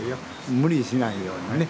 無理しないようにね。